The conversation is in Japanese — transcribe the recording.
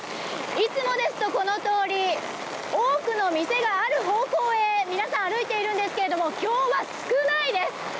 いつもですと、この通り多くの店がある方向へ皆さん、歩いているんですけど今日は少ないです。